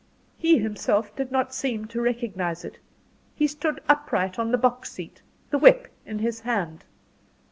He himself did not seem to recognize it. He stood upright on the box seat, the whip in his hand.